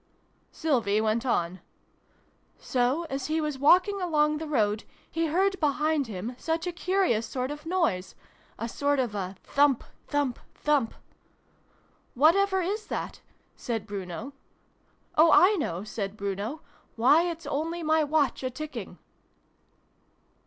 Sylvie went on. "So, as he was walking along the road, he heard behind him such a curious sort of noise a sort of a Thump ! Thump ! Thump !' Whatever is that ?' said Bruno. ' Oh, I know !' said Bruno. ' Why, it's only my Watch a ticking